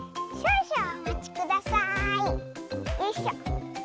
よいしょ。